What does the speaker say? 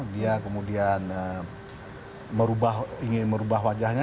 dia kemudian ingin merubah wajahnya